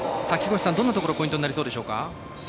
どんなところポイントになりそうでしょうか。